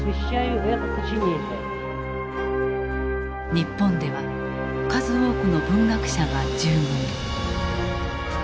日本では数多くの文学者が従軍。